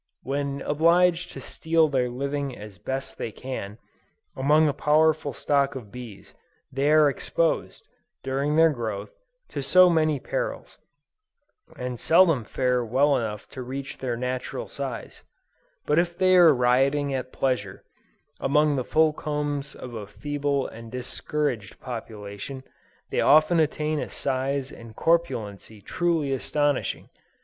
When obliged to steal their living as best they can, among a powerful stock of bees, they are exposed, during their growth, to many perils, and seldom fare well enough to reach their natural size: but if they are rioting at pleasure, among the full combs of a feeble and discouraged population, they often attain a size and corpulency truly astonishing.